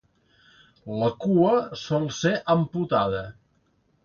La cua sol ser amputada.